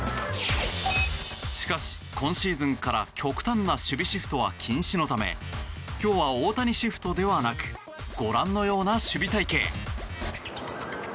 しかし今シーズンから極端な守備シフトは禁止のため今日は大谷シフトではなくご覧のような守備隊形。